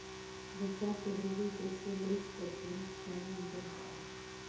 رضا پهلوي د سولهییز بدلون ژمن دی.